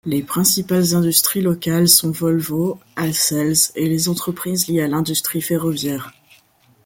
Les principales industries locales sont Volvo, Ahlsells, et les entreprises liées à l'industrie ferroviaire.